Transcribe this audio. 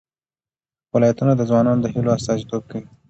ولایتونه د ځوانانو د هیلو استازیتوب کوي.